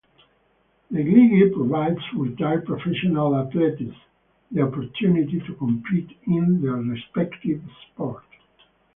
The league provides retired professional athletes the opportunity to compete in their respective sport.